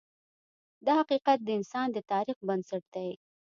دا حقیقت د انسان د تاریخ بنسټ دی.